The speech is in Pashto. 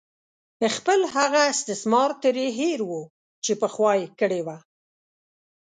خپل هغه استثمار ترې هېر وو چې پخوا یې کړې وه.